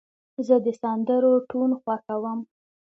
زه د سندرو ټون خوښوم.